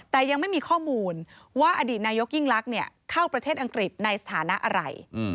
แต่ยังไม่มีข้อมูลว่าอดีตนายกยิ่งลักษณ์เข้าประเทศอังกฤษในสถานะอะไร